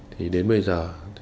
thì đến bây giờ